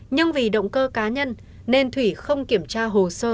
nhưng vì động cơ cá nhân nên thủy không kiểm tra hồ sơ